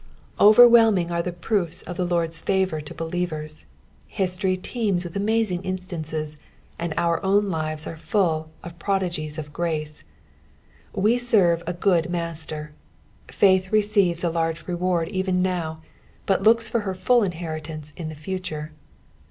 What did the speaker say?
Overwhelming are the proofs of the Lord's favour to believers, history teems with amazing instances, and our own lives are full of prodigies of grace. We serve ■ good Muster. Faith receives a large renard even now, but looks for her full inheritance in the future.